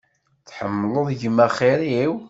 Tḥemmleḍ gma xir-iw?